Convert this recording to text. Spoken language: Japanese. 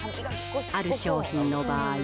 ある商品の場合。